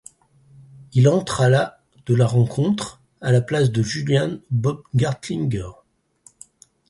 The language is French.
Il entre à la de la rencontre, à la place de Julian Baumgartlinger.